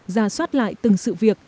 ra soát lại từng sự việc